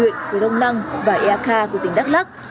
huyện quế đông năng và ea kha của tỉnh đắk lắc